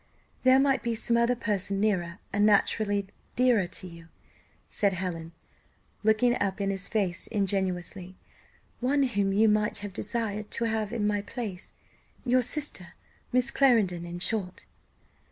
"There might be some other person nearer, and naturally dearer to you," said Helen, looking up in his face ingenuously "one whom you might have desired to have in my place: your sister, Miss Clarendon, in short."